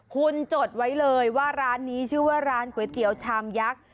คุณจดไว้เลยว่าร้านนี้ชื่อว่าร้านก๋วยเตี๋ยวชามยักษ์